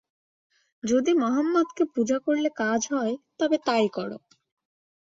যদি মহম্মদকে পূজা করলে কাজ হয়, তবে তাই কর।